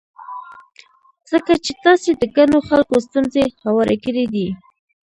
ځکه چې تاسې د ګڼو خلکو ستونزې هوارې کړې دي.